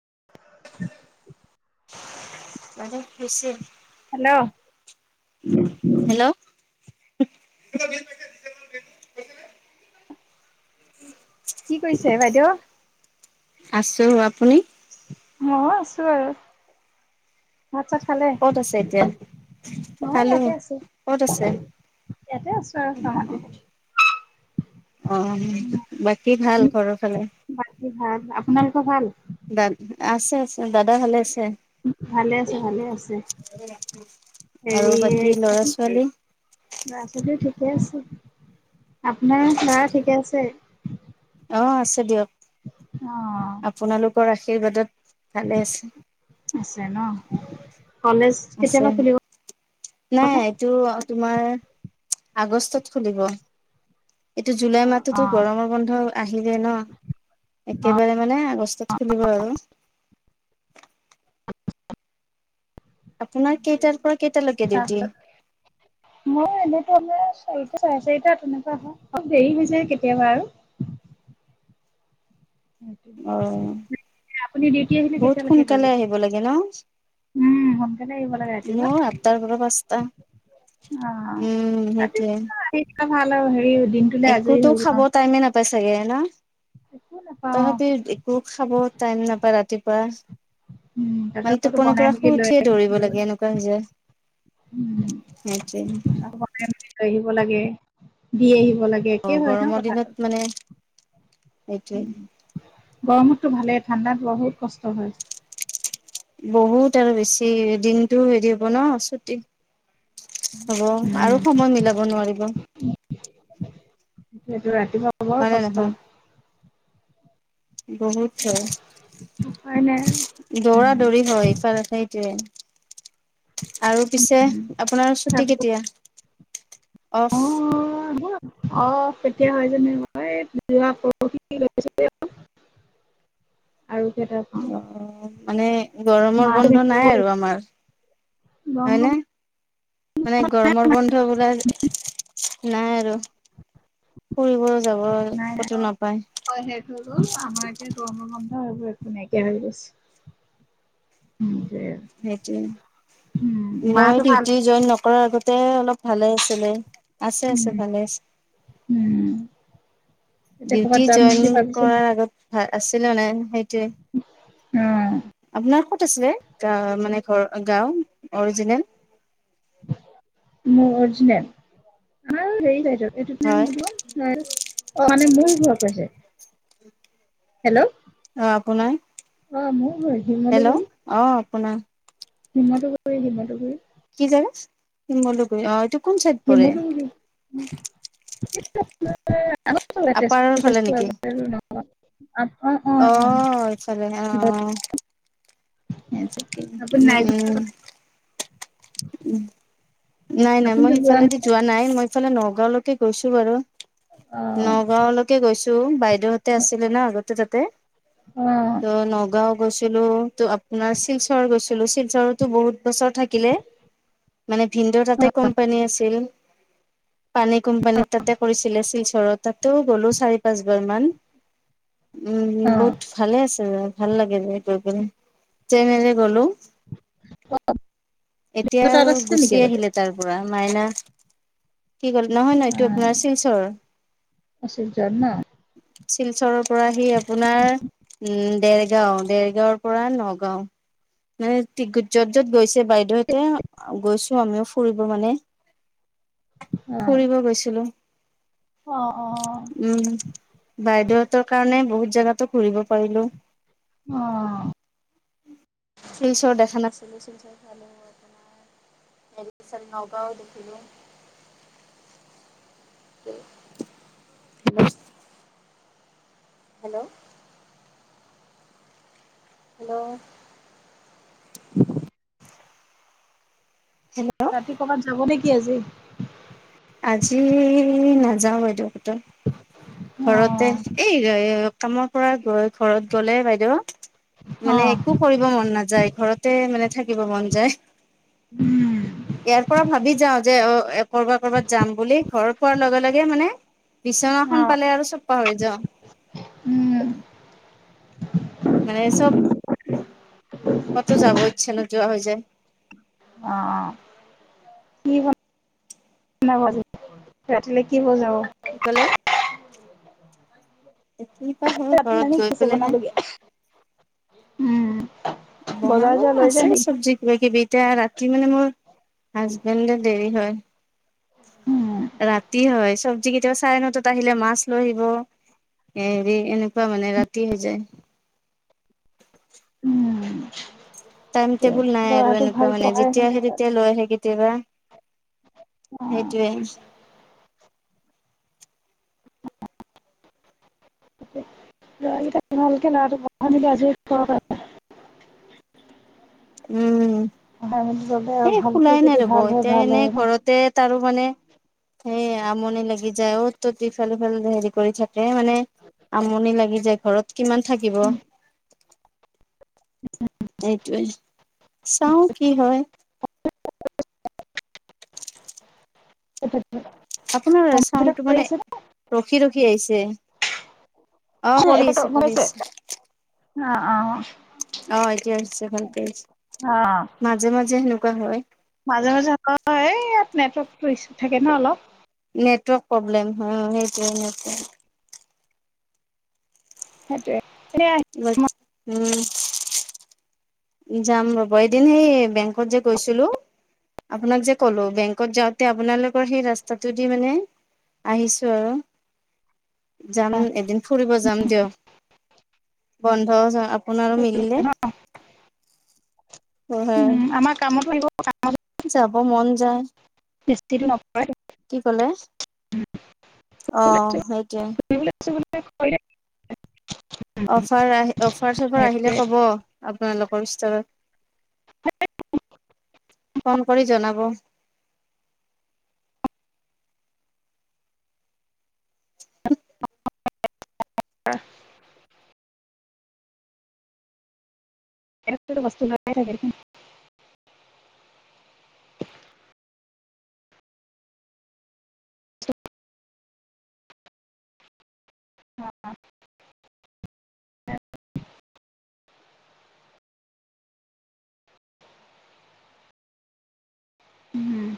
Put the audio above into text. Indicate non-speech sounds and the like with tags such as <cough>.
<unintelligible> মানে হৈছে hello hello কি কৰিছে বাইদেউ? আছো আপুনি? ম ও আছো আৰু। ভাত চাত খালে? ক'ত আছে এতিয়া? মই খালো। ইয়াতে আছো। ক'ত আছে? ইয়াতে আছো আৰু ততে অ' বাকী ভাল ঘৰৰ ফালে? নালোক ভাল দা আছে আছে দাদা ভালে আছে? ভালে আছে ভালে আছে আৰু হেৰি বাকী লৰা ছোৱালী? ল'ৰা ছোৱালীও ঠিকে আছে, আপোনাৰ লৰা ঠিকে আছে? অ আছে দিয়ক। <unintelligible> আপোনালোকৰ আশীৰ্বাদত ভালে আছে। আছে ন ক'লে আছে নাই কথা? এইটো তোমাৰ আগষ্টত খুলিব, এইটো জুলাই অ মাহটো টো অ গৰমৰ বন্ধ আহিলে ন একেবাৰে মানে আগষ্টত খুলিব আৰু আপোনাৰ কেইটাৰ পৰা কেইটালৈকে ডিউটি? তাৰপিছত মইয়ো এনে তেনে আছোঁ। চাৰিটা চাৰে চাৰিটা তেনেকুৱা হয় অ' দেৰি হৈ যায় কেতিয়াবা আৰু। সেইটো অ' আপুনি ডিউটি আহিলে বহুত কেতিয়ালৈকে কৰিব? সোনকালে আহিব লাগে ন? উম, সোনকালে আহিব লাগে ৰাতিপুৱা মোৰ আঠটাৰ পৰা পাঁচটা অ' উম সেইটোয়ে ৰাতিপুৱা আহিলে ভাল আৰু হেৰি দিনটোলে আজৰি একোতো হৈ খাব যাওঁ টাইমে নাপাই চাগে ন একো নাপাওঁ তথাপি একো খাব টাইম নাপায় ৰাতিপুৱা উম, মানে তথাপিতো টোপনৰ বনাই পৰা মেলি শুই লৈ উঠিয়ে আহি থৈ দৌৰিব গ'ল। লাগে এনেকুৱা হৈ যায় উম, হয়্চয় ল দি আহিব লাগে অ একে হয় ন কথা হ সেইটো গৰমততো ভালেই ঠাণ্ডাত বহুত কষ্ট হয় বহুত আৰু বেছি দিনটো হেৰি হ'ব ন ছুটি হ'ব উম, আৰু সময় মিলাব নোৱাৰিব। সটোটো ৰাতিপুৱা বৰ হয় নে কষ্ট নহয় বহুত হ উপায় নাই দৌৰা উম, দৌৰি হয় ইফালে সেইটোৱে আৰু পিছে উম, আপোনাৰ ছুটি তাৰপিছত কেতিয়া অফ অ', অ কেতিয়া হয় জানো, মই এই যোৱা পৰশি গৈছিলোঁ। <unintelligible> আহ মানে গৰমৰ মাহটো শেষ বন্ধ নাই কৰিবই আৰু লাগিব আমাৰ। গৰম হয় বন্ধ নে? মানে গৰমৰ বন্ধ বোলা নাই আৰু নাই ফুৰিব যাব অ ক'তো সেইটোতো নাপায় আমাৰ এতিয়া এইবোৰ একো নাইকিয়া হৈ গৈছে, উম সেইটোৱে সেইটোয়ে মই মাহটো ভাল ডিউটি জইন নকৰাৰ আগতে অলপ ভালে আছো আছে উম, আছে ভালে উম। এতিয়া ক'ৰবাত ডিউটি যাম জইন বুলি ভাবিছো কৰাৰ আগত ভাল আছিল নে নাই সেইটোৱে। উম আপোনাৰ ক'ত আছিলে গ মানে ঘৰ গাও অৰিজিনেল মজ না ৰ গাইছ এইটোত হয় বলো অ মানে মোৰ ঘ কছে উ <unintelligible> হেল্ল' আ নাই অ ম ভ হি মালো গ পোন হিমতুগুৰি হিমতুগুৰি। কি জাগালক অটো নিমি আপাৰৰ তেজপুৰ তেজপুৰ আগ ন আঁহ চাল আঁহ আহঁ উম আপুনি নাই উম যোৱা উ নাই নাই মই সিফালেদি যোৱা নাই মই ইফালে নগাঁওলৈকে গৈছো বাৰু নগাঁওলৈকে গৈছো বাইদেউ হতে অ আছিলে না আগতে তাতে অ ত অ নগাঁও গৈছ ো ত আপোনাৰ শিলচৰ গৈছিলো শিলচৰতৰতো বহুত বছৰ থাকিলে ভিন্দ তাতে কোম্পানী আছিল পানী কোম্পানীত তাতে কৰিছিলে শিলচৰৰত তাতেও গ'লো চাৰি পাঁচবাৰ মান। উম অ বহুত ভালে আছে ভাল লাগে যে চেন্নাইৰে গলো এতিয়া অ আৰু তাৰ গুচি আহিলে তাৰ পৰা মাইনা কি কল নহয় নহয় অ এইটো আপোনাৰ শিলচৰ আচুৰ্যত ন শিলচৰ পৰা আহি আপোনাৰ উম দেৰগাঁও দেৰগাঁওৰ পৰা নগাঁও মানে ু যত যত গৈছে বাইদেউহতে গৈছো আমিও ফুৰিব মানে ফুৰিব গৈছিলো। অ অ উম বাইদেউহতৰ কাৰণে বহুত জেগাতো ঘূৰিব পাৰিলো। অঁ। ফিল শ্বৰ দেখা নাছিলো শিল শ্বাল মেৰি চাৰ নগাঁও দেখিলো। কি? হেল্ল', হেল্ল', ৰাতি কবাত যাব নেকি আজি- আজি নাযাওঁ বাইদেউ অ ঘৰতে এই কামৰ পৰা গৈ ঘৰত গলে বাইদেউ অ মানে একো কৰিব মন নাযায়, ঘৰতে মানে থাকিব মন যায় উম ইয়াৰ পৰা ভাবি যাওঁ। যে অ কৰ'বা কৰবাত যাম বুলি ঘৰ পোৱাৰ লগে লগে মানে বিছনাখন আৰু চপা হৈ যা উম মানে চব কতো যাব ইচ্ছা নোযোৱা হৈ যায়। অঁ অঁ। ৰা ৰাে কি বজাব কি কলে কি বা হয় ঘৰত গৈ ৰাতিছে পেলাইহে বনালগীয়া উম। বনাব আছে চব্জি কিবা কিবি এতিয়া ৰাতি মানে মোৰ হাজবেণ্ডে দেৰি হয় ৰাতি হয় চব। যদি কেতিয়াও চাই নো তাত আহিলে মাছ লৈ আহিব। এ হেৰি এনেকুৱা মানে ৰাতি হৈ যায়। <inaudible> উম। টাইম টেবুল নাই আৰু এনেকুৱা ভালকে মানে পঢ়াই যেতিয়া মেলি আহে তেতিয়া লৈ আহে কেতিয়াবা অ সেইটোৱে ল'ৰা কেইটাক ভালকে ল'ৰা টোক পঢ়াম বুলি হৈ <unintelligible> <unintelligible> উম। ল'লে আৰু সেই ভালকে খোলাই নাই যদি ৰ'ব ভাল হয় এতিয়া ভাল হয় এনেই ন ঘৰতে তাৰো মানে সেই আমনি লাগি যায় অত তত ইফাল সিফালে ধৰি কৰি থাকে মানে আমনি লাগি যায় ঘৰত কিমান থাকিব। এইটোৱে চাওঁ কি হয় আপোনাৰ কম্পিউটাৰ চাউডটো কৰি মানে আছে ৰখি ৰখি আহিছে অহ' নে কৰি এতিয়া আছে, গম কৰি পাইছে আছে। অ' অহ' অ' এতিয়া হৈছে ভালকে আহিছে অ মাজে মাজে সেনেকুৱা হয়। মাজে মাজে হয়, এই ইয়াত নেটৱৰ্কতটো ইছু থাকে ন অলপ নেটৱৰ্ক প্ৰব্লেম হয় সেইটোৱে নেটে সেইটোৱে এনে উম, উম। যাম ৰ'বা এদিন হেই বেংকত যে গৈছিলোঁ। আপোনাক যে কলোঁ বেংকত যাওঁতে আপোনালোকৰ সেই ৰাস্তাটোদি মানে আহিছোঁ আৰু যাম এদিন ফুৰিব যাম দিয় বন্ধ য আপোনাৰো মিলিলে অ' হয়। কামত লাগিব কামত যাব মন যায়। নিশ্চিত। কি কলে? অ' সেইটোৱাই। আ <unintelligible> অফাৰ আহ অফাৰ চফাৰ আহিলে ক'ব আপোনালোকৰ ইষ্টৰত। উ <unintelligible> ফোন কৰি জনাব। <inaudible> এ বসখ <unintelligible> অ <unintelligible> উম।